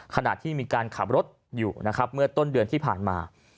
ขนาดที่มีการขับรถอยู่เมื่อต้นเดือนที่ผ่านมา